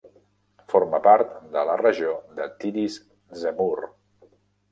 Forma part de la regió de Tiris Zemmour.